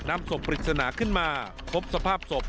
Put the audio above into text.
นำศพปริศนาขึ้นมาพบสภาพศพ